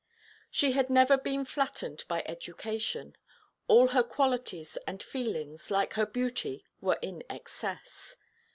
She had never been flattened by education: all her qualities and feelings, like her beauty, were in excess.